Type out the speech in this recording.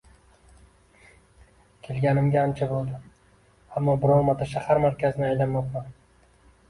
Kelganimga ancha bo`ldi, ammo biror marta shahar markazini aylanmabman